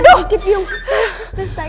aduh faridika pelan pelan